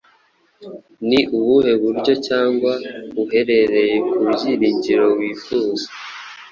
Ni ubuhe buryo cyangwa uhereye ku byiringiro wifuza